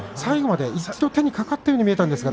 一度、手にかかったように見えましたが。